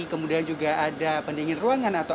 kemudian juga ada pendingin ruangan atau